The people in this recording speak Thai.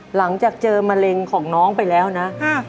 หลังจากเจอมะเร็งของน้องไปแล้วนะ